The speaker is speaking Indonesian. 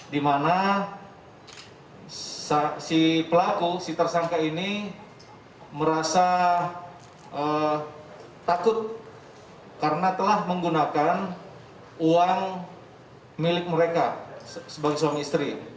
di mana si pelaku si tersangka ini merasa takut karena telah menggunakan uang milik mereka sebagai suami istri